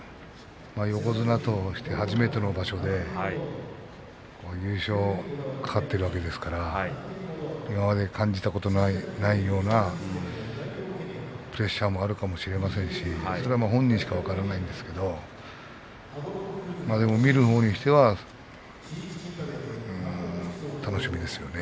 横綱として初めての場所で優勝が懸かっているわけですから今まで感じたことないようなプレッシャーもあるかもしれませんしそれは本人しか分からないんですけどでも見るほうにしては楽しみですよね。